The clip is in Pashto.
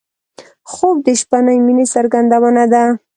خوب د شپهنۍ مینې څرګندونه ده